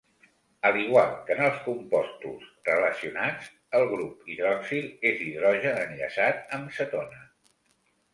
Al igual que en els compostos relacionats, el grup hidroxil es hidrogen enllaçat amb cetona.